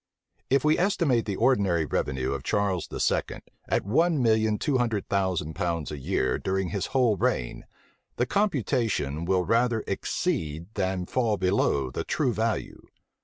[*] If we estimate the ordinary revenue of Charles II. at one million two hundred thousand pounds a year during his whole reign, the computation will rather exceed than fall below the true value.